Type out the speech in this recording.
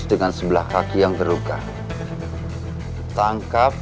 di rumah bang eddy ada tikus